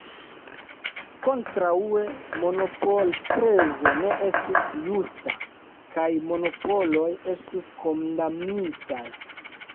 Kontraŭe, monopolprezo ne estus justa, kaj monopoloj estus kondamnitaj.